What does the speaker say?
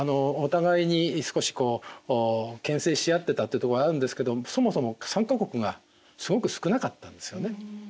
お互いに少しこうけん制し合ってたというとこがあるんですけどそもそも参加国がすごく少なかったんですよね。